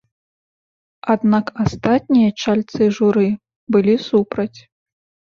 Аднак астатнія чальцы журы былі супраць.